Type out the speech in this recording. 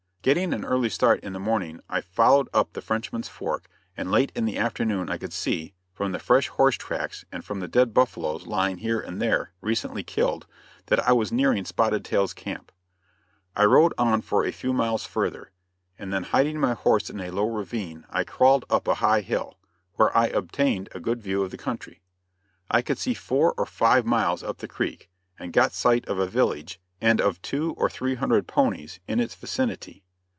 Getting an early start in the morning I followed up the Frenchman's Fork and late in the afternoon I could see, from the fresh horse tracks and from the dead buffaloes lying here and there, recently killed, that I was nearing Spotted Tail's camp. I rode on for a few miles further, and then hiding my horse in a low ravine, I crawled up a high hill, where I obtained a good view of the country. I could see for four or five miles up the creek, and got sight of a village and of two or three hundred ponies in its vicinity.